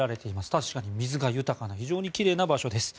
確かに水が豊かな非常に奇麗な場所です。